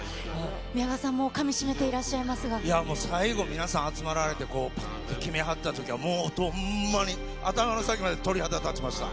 宮川さんもかみしめていらっいや、もう最後、皆さん集まられて、ぱーんって決めはったときは、もうほんまに、頭の先まで鳥肌立ちました。